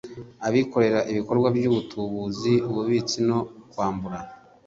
abikorera ibikorwa by ubutubuzi ububitsi no kwambura